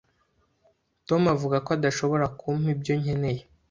Tom avuga ko adashobora kumpa ibyo nkeneye.